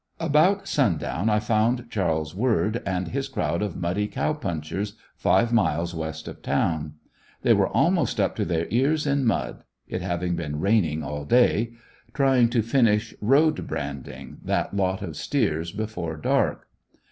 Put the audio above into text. About sun down I found Charles Word, and his crowd of muddy cow punchers, five miles west of town. They were almost up to their ears in mud, (it having been raining all day,) trying to finish "road branding" that lot of steers before dark.